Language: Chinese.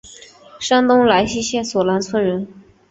山东莱西县索兰村人。